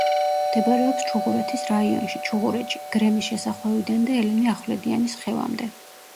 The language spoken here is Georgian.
მდებარეობს ჩუღურეთის რაიონში, ჩუღურეთში; გრემის შესახვევიდან და ელენე ახვლედიანის ხევამდე.